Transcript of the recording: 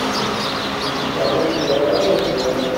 Cukkteɣ ur sɛiɣ ara afran.